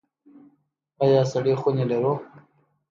آیا سړې خونې لرو؟